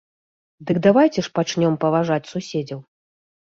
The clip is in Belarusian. Дык давайце ж пачнём паважаць суседзяў.